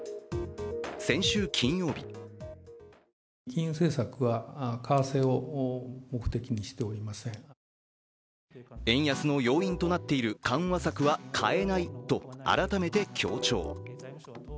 先週金曜日円安の要因となっている緩和策は変えないと改めて強調。